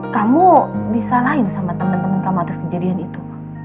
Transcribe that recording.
kamu disalahin sama temen temen kamu atas kejadian itu